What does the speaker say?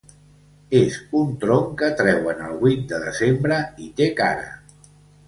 És un tronc que treuen el vuit de desembre i té cara.